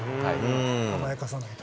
甘やかさないと。